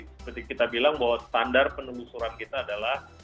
seperti kita bilang bahwa standar penelusuran kita adalah